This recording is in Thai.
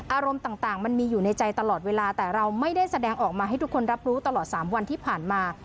อารมณ์ต่างมันมีอยู่ในใจตลอดเวลาแต่เราไม่ได้แสดงออกมาให้ทุกคนรับรู้ตลอด๓วันที่ผ่านมา